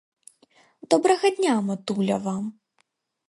Добрага дня, матуля, вам.